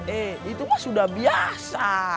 eh itu mah sudah biasa